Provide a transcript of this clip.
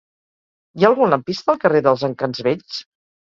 Hi ha algun lampista al carrer dels Encants Vells?